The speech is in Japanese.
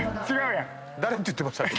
誰って言ってましたっけ？